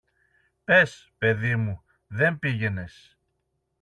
Πες, παιδί μου, δεν πήγαινες.